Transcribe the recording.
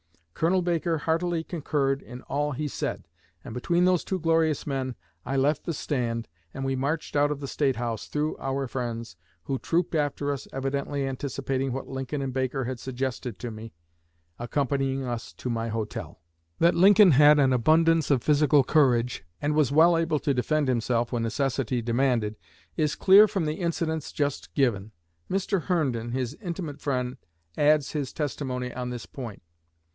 Colonel Baker heartily concurred in all he said, and between those two glorious men I left the stand and we marched out of the State House through our friends, who trooped after us evidently anticipating what Lincoln and Baker had suggested to me, accompanying us to my hotel." That Lincoln had an abundance of physical courage, and was well able to defend himself when necessity demanded, is clear from the incidents just given. Mr. Herndon, his intimate friend, adds his testimony on this point.